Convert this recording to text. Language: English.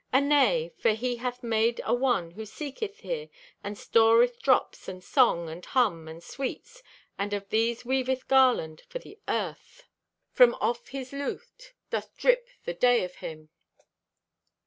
Anay. For He hath made a one who seeketh here, And storeth drops, and song, and hum, and sweets, And of these weaveth garland for the earth. From off his lute doth drip the day of Him.